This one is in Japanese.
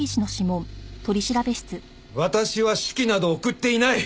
私は手記など送っていない！